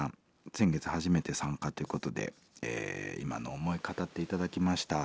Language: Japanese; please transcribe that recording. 先月初めて参加ということで今の思い語って頂きました。